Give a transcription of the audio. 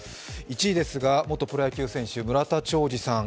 １位ですが、元プロ野球選手村田兆治さん。